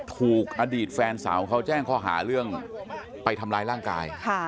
ถูกอดีตแฟนสาวเขาแจ้งข้อหาเรื่องไปทำร้ายร่างกาย